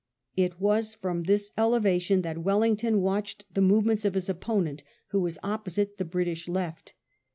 It was from this elevation that Wellington watched the movements of his opponent, who was opposite the British left.